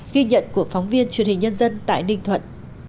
ghi nhận của phóng viên truyền hình nhân dân tại ninh thuận